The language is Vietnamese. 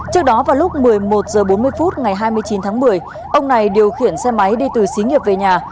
trước đó vào lúc một mươi một h bốn mươi phút ngày hai mươi chín tháng một mươi ông này điều khiển xe máy đi từ xí nghiệp về nhà